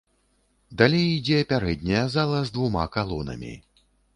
Далей ідзе пярэдняя зала з двума калонамі.